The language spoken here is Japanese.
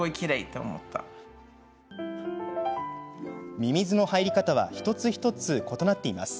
ミミズの入り方は一つ一つ異なっています。